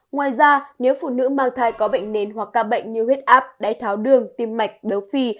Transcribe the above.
ngoài ra nếu phụ nữ mang thai có bệnh nền hoặc ca bệnh như huyết áp đáy tháo đường tim mạch béo phì